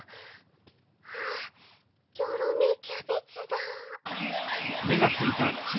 あっギョロメキャベツだ。